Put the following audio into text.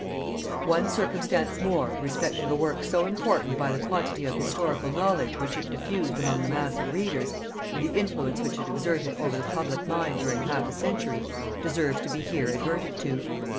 One circumstance more respecting a work so important by the quantity of historical knowledge which it diffused among the mass of readers, and the influence which it exerted over the public mind during half a century, deserves to be here adverted to.